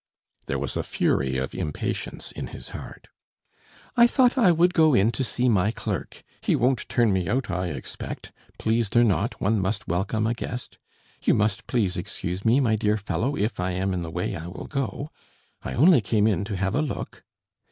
There was a fury of impatience in his heart. "I thought I would go in to see my clerk. He won't turn me out I expect ... pleased or not, one must welcome a guest. You must please excuse me, my dear fellow. If I am in the way, I will go ... I only came in to have a look...."